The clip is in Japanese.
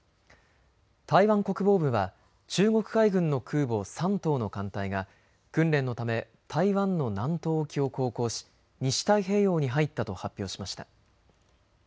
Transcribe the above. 台湾国防部は中国海軍の空母、山東の艦隊が訓練のため台湾の南東沖を航行し西太平洋に入ったと発表しました。